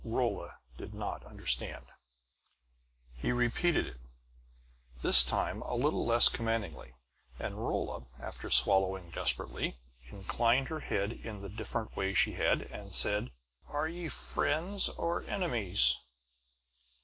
Rolla did not understand. He repeated it, this time a little less commandingly; and Rolla, after swallowing desperately, inclined her head in the diffident way she had, and said: "Are ye friends or enemies?"